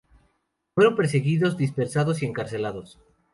Fueron perseguidos, dispersados y encarcelados.